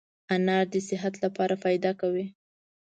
انار دي صحت لپاره فایده کوي